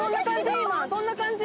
どんな感じ？